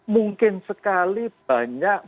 mungkin sekali banyak